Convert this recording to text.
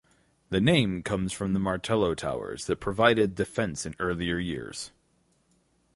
The name comes from the Martello towers that provided defence in earlier years.